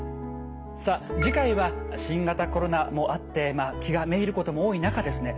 さあ次回は新型コロナもあって気がめいることも多い中ですね